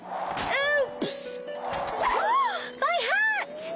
うん！